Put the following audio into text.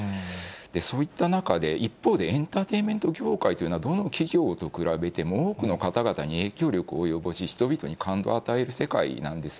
そういった中で、一方でエンターテイメント業界というのは、どの企業と比べても、多くの方々に影響力を及ぼし、人々に感動を与える世界なんです。